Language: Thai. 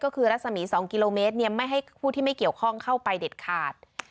ก็คือรัศมี๒กิโลเมตรไม่ให้ผู้ที่ไม่เกี่ยวข้องเข้าไปเด็ดขาด